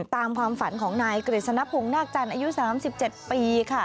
ตามความฝันของนายกฤษณพงศ์นาคจันทร์อายุ๓๗ปีค่ะ